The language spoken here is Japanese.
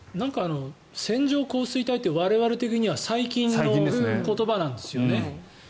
線状降水帯って我々的には最近の言葉なんですよね。